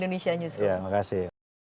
terima kasih sudah hadir di cnn indonesia news